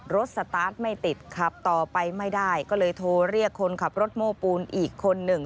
สตาร์ทไม่ติดขับต่อไปไม่ได้ก็เลยโทรเรียกคนขับรถโม้ปูนอีกคนหนึ่ง